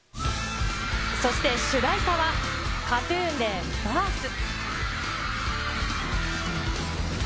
そして、主題歌はＫＡＴーＴＵＮでＢＩＲＴＨ。